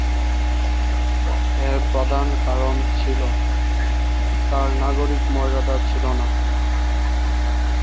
এর প্রধান কারণ ছিল, তার নাগরিক মর্যাদা ছিল না।